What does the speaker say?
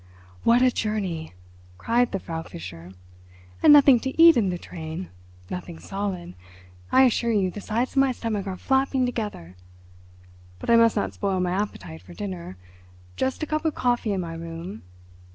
"What a journey!" cried the Frau Fischer. "And nothing to eat in the train—nothing solid. I assure you the sides of my stomach are flapping together. But I must not spoil my appetite for dinner—just a cup of coffee in my room.